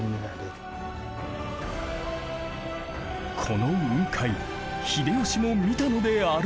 この雲海秀吉も見たのであろうか。